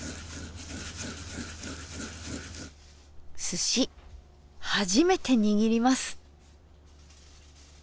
すし初めて握ります。